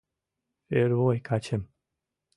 — Первой качем...